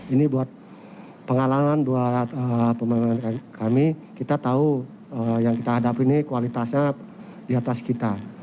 ini buat pengalaman buat pemain kami kita tahu yang kita hadapi ini kualitasnya di atas kita